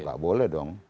tidak boleh dong